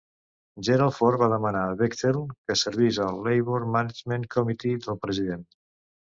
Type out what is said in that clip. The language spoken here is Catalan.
Gerald Ford va demanar a Bechtel que servís al Labor-Management Committee del president.